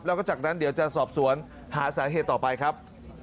แล้วก็จากนั้นเดี๋ยวจะสอบสวนหาสาเหตุต่อไปครับ